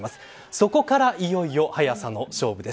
そこからいよいよ速さの勝負です。